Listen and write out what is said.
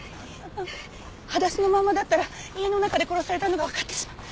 裸足のままだったら家の中で殺されたのがわかってしまう。